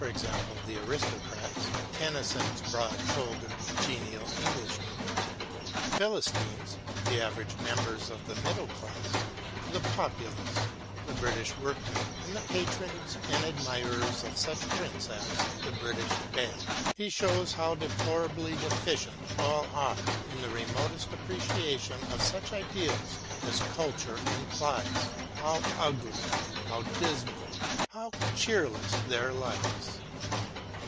e. the aristo cracy, Tennyson's " broad shouldered genial Englishman "), Philistines (the average members of the middle classes), the Populace (the British workman and the patrons and admirers of such MATTHEW ARNOLD 183 prints as the British Banner), he shows how deplorably deficient all are in the remotest appreciation of such ideals as culture implies, how ugly, how dismal, how cheerless their lives.